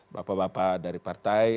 bapak bapak dari partai